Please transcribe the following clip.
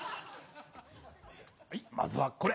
はいまずはこれ。